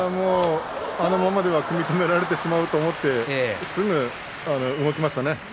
あのままでは組み止められてしまうと思ったのですぐ動きましたね。